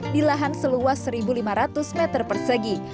di lahan seluas satu lima ratus meter persegi